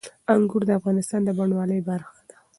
انګور د افغانستان د بڼوالۍ برخه ده.